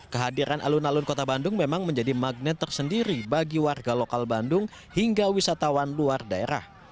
kehadiran alun alun kota bandung memang menjadi magnet tersendiri bagi warga lokal bandung hingga wisatawan luar daerah